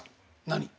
何？